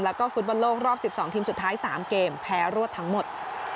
แล้วก็ฟุตบันโลกรอบสิบสองทีมสุดท้ายสามเกมแพ้รวดทั้งหมด